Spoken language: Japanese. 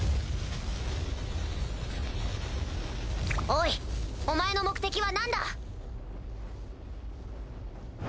おいお前の目的は何だ？